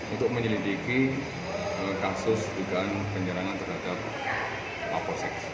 untuk menyelidiki kasus penyerangan terhadap